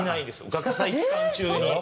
学祭期間中に。